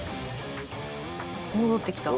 戻ってきた。